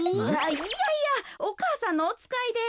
いやいやお母さんのおつかいで。